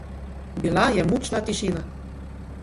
Bila je mučna tišina.